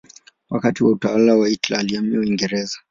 Wakati wa utawala wa Hitler alihamia Uingereza.